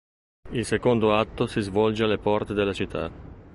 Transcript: Il secondo atto si svolge alle porte della città.